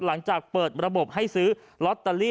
หลังจากเปิดระบบให้ซื้อลอตเตอรี่